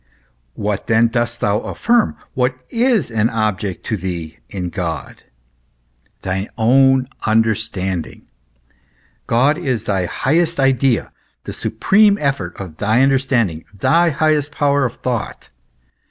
What then dost thou affirm, what is an object to thee, in God ? Thy own understanding. God is thy highest idea, the supreme effort of thy understanding, thy highest power of thought.